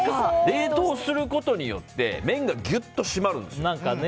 冷凍することによって麺がギュッとしまるんですよ。